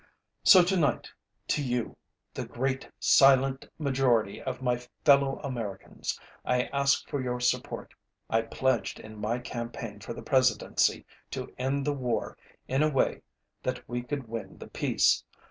So tonight, to you, the great silent majority of my fellow Americans, I ask for your support. I pledged in my campaign for the Presidency to end the war in a way that we could win the peace.